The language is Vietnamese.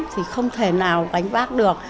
thì không thể nào đánh bác được